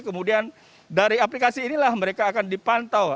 kemudian dari aplikasi inilah mereka akan dipantau